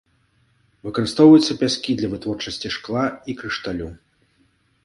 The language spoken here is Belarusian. Выкарыстоўваюцца пяскі для вытворчасці шкла і крышталю.